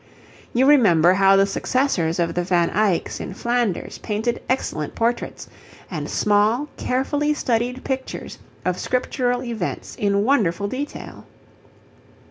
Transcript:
You remember how the successors of the Van Eycks in Flanders painted excellent portraits and small carefully studied pictures of scriptural events in wonderful detail.